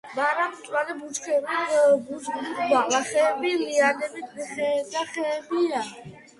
მარადმწვანე ბუჩქები, ბუჩქბალახები, ლიანები და ხეებია.